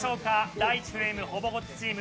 第１フレームほぼごっつチーム